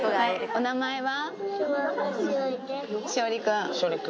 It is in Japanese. お名前は？